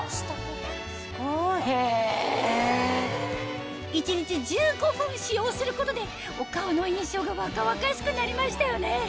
すごい。一日１５分使用することでお顔の印象が若々しくなりましたよね